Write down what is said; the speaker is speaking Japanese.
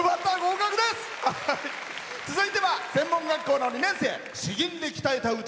続いては専門学校の２年生。